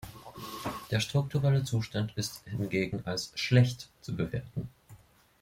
Der strukturelle Zustand ist hingegen als "schlecht" zu bewerten.